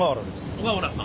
小川原さん。